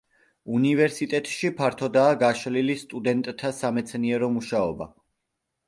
უნივერსიტეტში ფართოდაა გაშლილი სტუდენტთა სამეცნიერო მუშაობა.